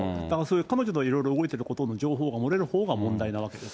彼女といろいろ動いてることの情報が漏れるほうが問題なわけです